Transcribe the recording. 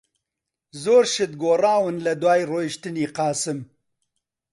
زۆر شت گۆڕاون لەدوای ڕۆیشتنی قاسم.